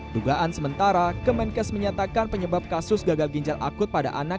dugaan sementara kemenkes menyatakan penyebab kasus gagal ginjal akut pada anak